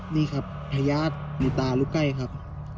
นี่ครับพญาติหนูตาลูกไก่ครับ